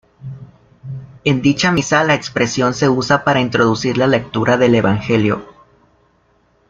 En dicha misa, la expresión se usa para introducir la lectura del Evangelio.